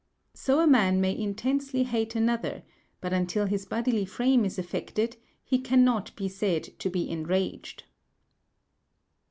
So a man may intensely hate another, but until his bodily frame is affected, he cannot be said to be enraged.